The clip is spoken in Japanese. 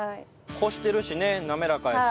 こしてるしね滑らかやし。